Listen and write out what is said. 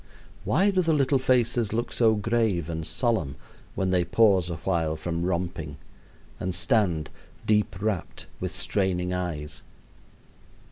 Why do the little faces look so grave and solemn when they pause awhile from romping, and stand, deep wrapt, with straining eyes?